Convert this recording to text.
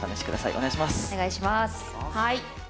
お願いします。